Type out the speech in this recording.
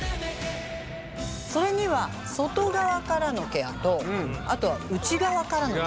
それには外側からのケアとあとは内側からのケア。